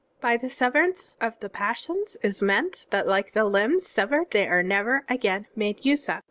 "By the severance of the passions is meant that like the limbs severed they are never again made use of.